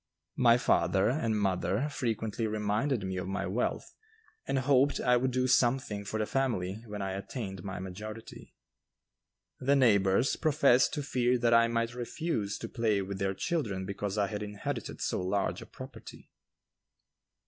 My father and mother frequently reminded me of my wealth and hoped I would do something for the family when I attained my majority. The neighbors professed to fear that I might refuse to play with their children because I had inherited so large a property.